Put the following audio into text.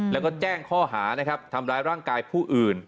แล้วก็แจ้งข้อหานะครับทำร้ายร่างกายผู้อื่น